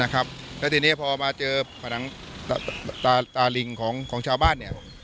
แล้วทีนี้พอมาเจอตาลิงของชาวบ้าน